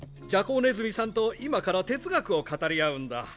じゃこうねずみさんと今から哲学を語り合うんだ。